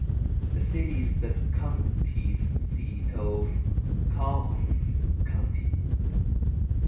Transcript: The city is the county seat of Calhoun County.